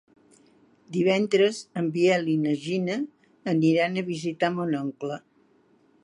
Divendres en Biel i na Gina iran a visitar mon oncle.